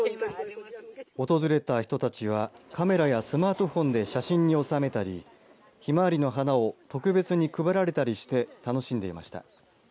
訪れた人たちはカメラやスマートフォンで写真に収めたりひまわりの花を特別に配られたりして楽しんでいました。